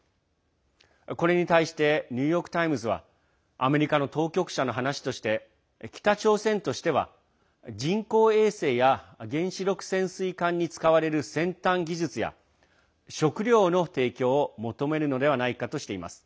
これに対してニューヨーク・タイムズはアメリカの当局者の話として北朝鮮としては人工衛星や原子力潜水艦に使われる先端技術や食料の提供を求めるのではないかとしています。